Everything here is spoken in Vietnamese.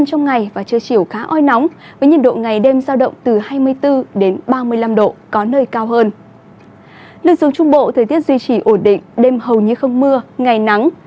trong trung bộ thời tiết duy trì ổn định đêm hầu như không mưa ngày nắng